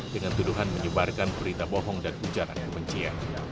dengan tuduhan menyebarkan berita bohong dan ujaran kebencian